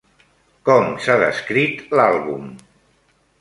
Com s'ha descrit l'àlbum?